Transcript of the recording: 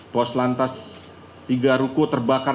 post lantas tiga ruku terbakar